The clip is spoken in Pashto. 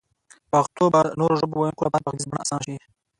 پښتو به نورو ژبو ويونکو لپاره په غږيزه بڼه اسانه شي